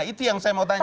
itu yang saya mau tanya